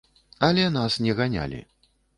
Але нас не ганялі.